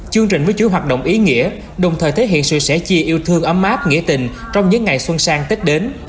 chương trình với chuỗi hoạt động ý nghĩa đồng thời thể hiện sự sẻ chia yêu thương ấm áp nghĩa tình trong những ngày xuân sang tết đến